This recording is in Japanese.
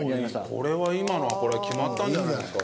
これは今のはこれ決まったんじゃないですか？